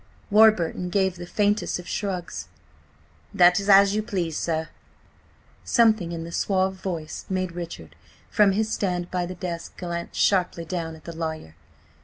Warburton gave the faintest of shrugs. "That is as you please, sir." Something in the suave voice made Richard, from his stand by the desk, glance sharply down at the lawyer.